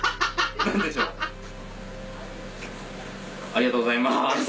ありがとうございます。